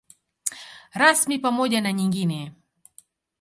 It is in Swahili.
Rasmi pamoja na nyingine.